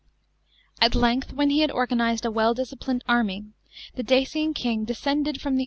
§ 14. At length, when lie had organised a well disciplined army, the Dacian king descended fr»m the.